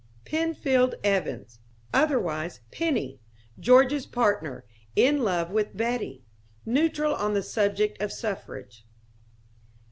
Penfield Evans... Otherwise "Penny," George's partner, in love with Betty. Neutral on the subject of Suffrage.